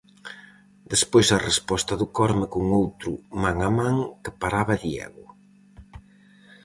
Despois a resposta do Corme con outro man a man que paraba Diego.